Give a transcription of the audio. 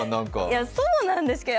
いや、そうなんですけど。